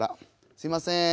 すいません。